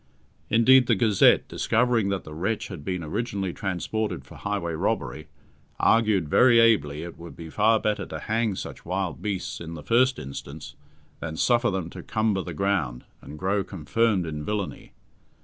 Indeed, the Gazette, discovering that the wretch had been originally transported for highway robbery, argued very ably it would be far better to hang such wild beasts in the first instance than suffer them to cumber the ground, and grow confirmed in villainy.